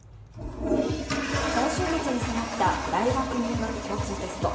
今週末に迫った大学入学共通テスト。